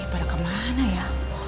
eh pada kemana ya